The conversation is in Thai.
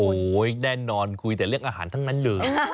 โอ้โหแน่นอนคุยแต่เรื่องอาหารทั้งนั้นเลย